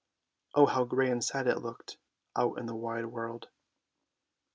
Oh, how grey and sad it looked, out in the wide world.